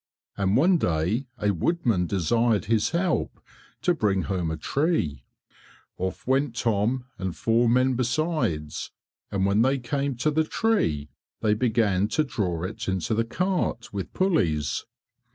And one day a woodman desired his help to bring home a tree. Off went Tom and four men besides, and when they came to the tree they began to draw it into the cart with pulleys.